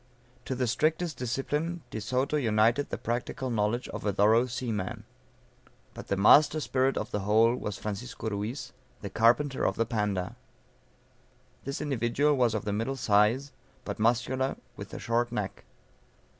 To the strictest discipline De Soto united the practical knowledge of a thorough seaman. But "the master spirit of the whole," was Francisco Ruiz, the carpenter of the Panda. This individual was of the middle size, but muscular, with a short neck.